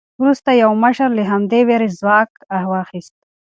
وروسته یو مشر له همدې وېرې ځواک واخیست.